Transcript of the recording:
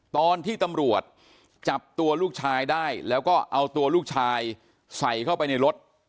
ตอนที่ตำรวจจับตัวลูกชายได้แล้วก็เอาตัวลูกชายใส่เข้าไปในรถ